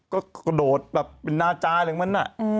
ก็โดดแบบเป็นนาจาแหละเหมือนน่ะ